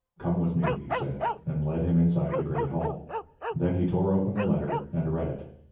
"Come with me," he said, and led him inside the great hall. Then he tore open the letter and read it.